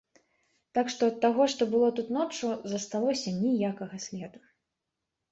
Так што ад таго, што было тут ноччу, засталося ніякага следу.